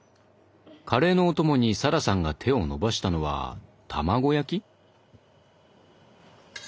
カレーのお供に咲来さんが手を伸ばしたのは卵焼き？